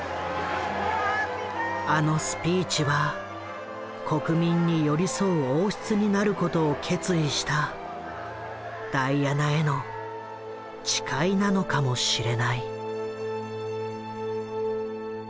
あのスピーチは国民に寄り添う王室になることを決意したダイアナへの誓いなのかもしれない。